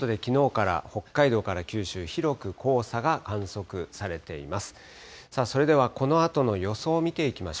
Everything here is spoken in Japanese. ということできのうから北海道から九州、広く黄砂が観測されています。